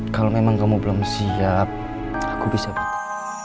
kalau memang kamu belum siap aku bisa bantu